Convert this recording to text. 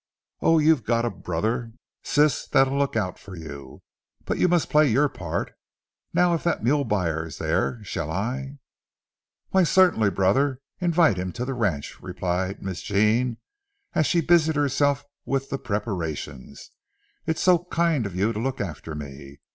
Oh, you've got a brother, Sis, that'll look out for you. But you must play your part. Now, if that mule buyer's there, shall I"— "Why, certainly, brother, invite him to the ranch," replied Miss Jean, as she busied herself with the preparations. "It's so kind of you to look after me.